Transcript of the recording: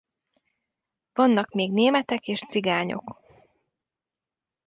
Vannak még németek és cigányok.